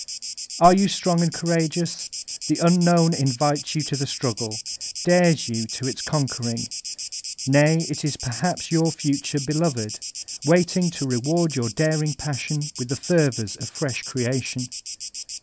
Are you strong and courageous? The Unknown in* vites you to the struggle, dares you to its conquering. Nay, it is perhaps your future beloved, waiting to reward your daring passion mth the fervors of fresh creation.